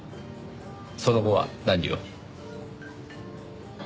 その後は何を？